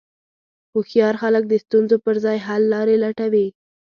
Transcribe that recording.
هوښیار خلک د ستونزو پر ځای حللارې لټوي.